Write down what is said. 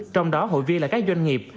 trong đó hội viên là các doanh nghiệp